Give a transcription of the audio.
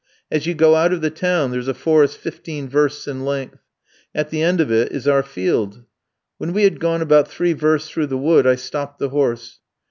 As you go out of the town there's a forest fifteen versts in length. At the end of it is our field. When we had gone about three versts through the wood I stopped the horse.